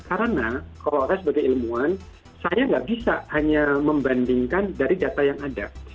karena kalau saya sebagai ilmuwan saya nggak bisa hanya membandingkan dari data yang ada